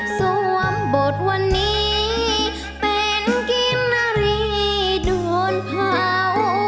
สวมบทวันนี้เป็นกิมนารีด่วนเผา